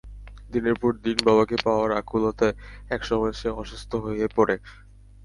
দিনের পর দিন বাবাকে পাওয়ার আকুলতায় একসময় সে অসুস্থ হয়ে পড়ে।